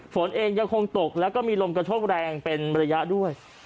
ฝนเองยังคงตกแล้วก็มีลมกระโชกแรงเป็นระยะด้วย